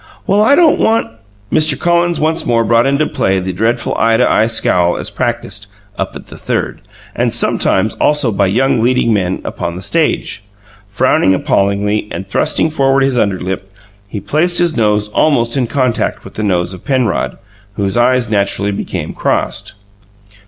"Well, I don't want " Mr. Collins once more brought into play the dreadful eye to eye scowl as practised "up at the Third," and, sometimes, also by young leading men upon the stage. Frowning appallingly, and thrusting forward his underlip, he placed his nose almost in contact with the nose of Penrod, whose eyes naturally became crossed.